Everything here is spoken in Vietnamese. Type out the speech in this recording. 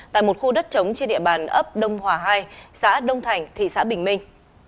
tại một khu đất trống trên địa bàn ấp đông hòa hai xã đông thành thị xã bình minh